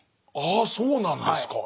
ああそうなんですか。